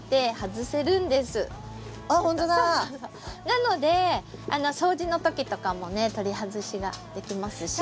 なので掃除の時とかもね取り外しができますし。